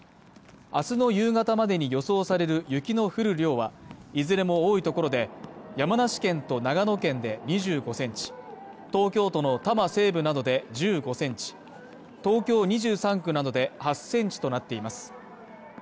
明日の夕方までに予想される雪の降る量は、いずれも多いところで、山梨県と長野県で２５ｃｍ、東京都の多摩西部などで１５ｃｍ、東京２３区などで８ｃｍとなっています